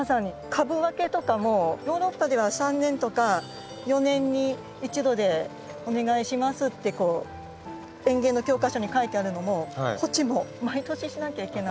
株分けとかもヨーロッパでは３年とか４年に１度でお願いしますって園芸の教科書に書いてあるのもこっちもう毎年しなきゃいけない。